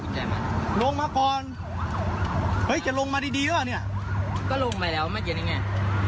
อุตส่าห์อุตส่าห์ลงมาลงมาช่วย